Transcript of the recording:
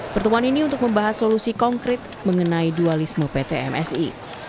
pertemuan ini untuk membahas solusi konkret mengenai dualisme pt msi